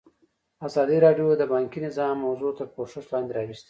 ازادي راډیو د بانکي نظام موضوع تر پوښښ لاندې راوستې.